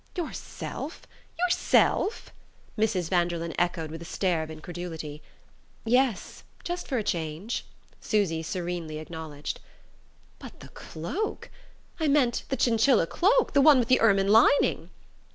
"Yourself? Yourself?" Mrs. Vanderlyn echoed with a stare of incredulity. "Yes; just for a change," Susy serenely acknowledged. "But the cloak I meant the chinchilla cloak... the one with the ermine lining...."